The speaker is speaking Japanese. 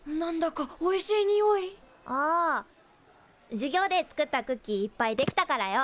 授業で作ったクッキーいっぱいできたからよ食うか？